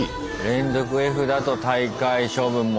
連続Ｆだと退会処分も。